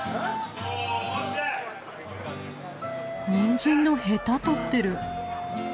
ニンジンのヘタ取ってる。